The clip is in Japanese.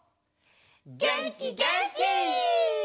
げんきげんき！